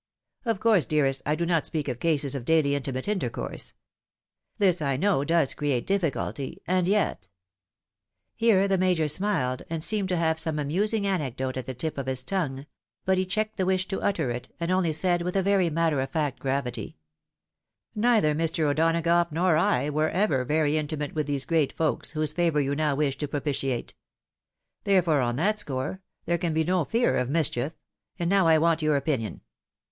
Of coiirse, dearrat, I do not speak of cases of daily intimate intercourse. This, I know, does create difficulty — and yet —" Here the Major smiled, and seemed to have some amusing anecdote at the tip of his tongue ; but he checked the wish to utter it, and only said, with very matter of faot gravity, " Neither Mr. O'Donagough nor I were ever very intimate with these great folks, whose favour you now wish to propitiate ; therefore, on that score, there can be no fear of mischief — ^and now I want your opinion.